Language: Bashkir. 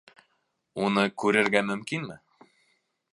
Уны күрергә мөмкинме?